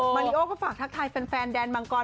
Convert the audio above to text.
มาริโอก็ฝากทักทายแฟนแดนมังกร